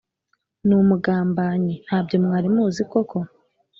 Numugambanyi ntabyo mwarimuzi koko